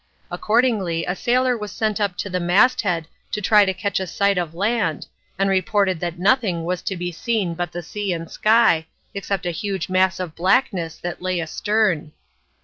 Accordingly a sailor was sent up to the masthead to try to catch a sight of land, and reported that nothing was to be seen but the sea and sky, except a huge mass of blackness that lay astern.